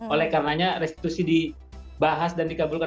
oleh karenanya restitusi dibahas dan dikabulkan